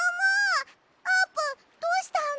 あーぷんどうしたの？